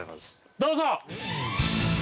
どうぞ！